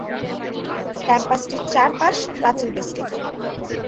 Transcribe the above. ক্যাম্পাসটি চারপাশ প্রাচীর বেষ্টিত।